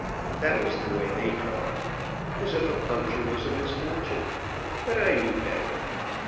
That was the way they talked as if a puncture was a misfortune but I knew better.